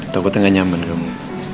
toko tuh gak nyaman kamu